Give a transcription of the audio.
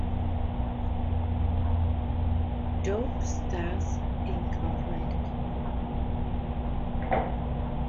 Dope Stars Inc.